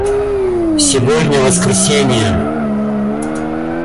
Сегодня воскресение.